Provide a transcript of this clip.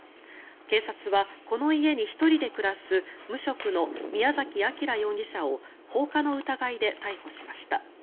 警察はこの家に１人で暮らす無職の宮崎章容疑者を放火の疑いで逮捕しました。